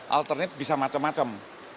alternate bisa macam macam